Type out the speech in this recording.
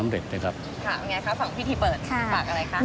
ค่ะอย่างไรครับฝั่งพิธีเปิดฝากอะไรครับ